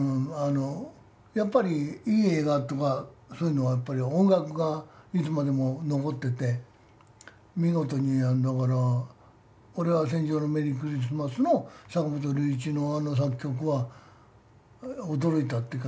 やっぱりいい映画とかそういうのっていうのは音楽がいつまでも残っていて見事に、だからこれが「戦場のメリークリスマス」の坂本龍一のあの作曲は驚いたっていうか